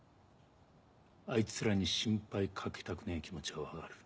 あいつらに心配かけたくねえ気持ちは分かる。